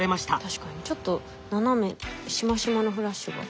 確かにちょっと斜めしましまのフラッシュが。